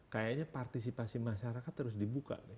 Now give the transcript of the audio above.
kayaknya partisipasi masyarakat terus dibuka